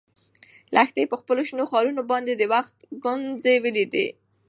لښتې په خپلو شنو خالونو باندې د وخت ګونځې ولیدې.